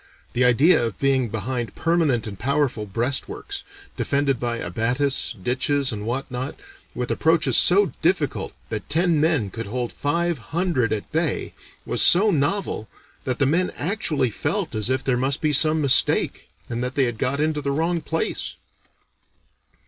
The idea of being behind permanent and powerful breastworks, defended by abatis, ditches, and what not, with approaches so difficult that ten men could hold five hundred at bay, was so novel, that the men actually felt as if there must be some mistake, and that they had got into the wrong place."